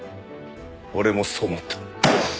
俺もそう思った。